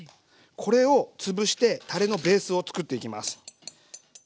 これを潰してたれのベースを作っていきます。